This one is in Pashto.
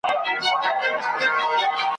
عدالت خو به اوس دلته چلېدلای `